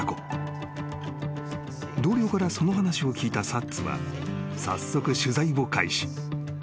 ［同僚からその話を聞いたサッツは早速取材を開始］